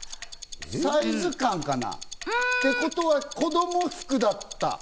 サイズ感かな？ってことは子供服だった。